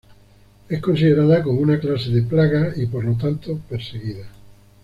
Es considerada como una clase de plaga y, por lo tanto, perseguida.